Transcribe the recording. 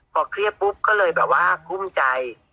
พอเครียดปุ๊บก็เลยแบบว่าคุ้มใจ